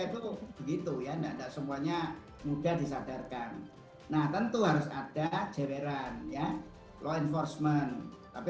itu begitu ya enggak ada semuanya mudah disadarkan nah tentu harus ada jeweran ya law enforcement tapi